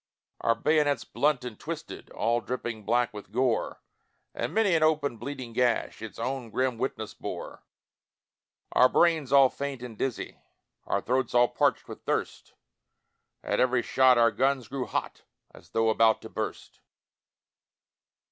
Our bayonets blunt and twisted, All dripping black with gore; And many an open bleeding gash Its own grim witness bore; Our brains all faint and dizzy, Our throats all parched with thirst, At every shot our guns grew hot As though about to burst.